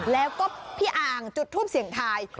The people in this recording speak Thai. แล้วก็พี่อ่างจุดทูปเสียงทาย